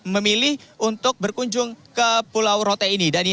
memilih untuk berkunjung ke pulau rote ini